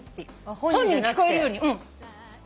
本人に聞こえるように。